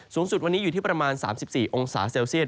สูงสุดวันนี้อยู่ที่ประมาณ๓๔องศาเซลเซียต